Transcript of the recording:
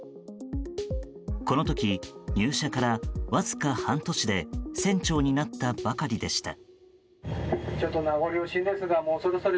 この時、入社からわずか半年で船長になったばかりでした。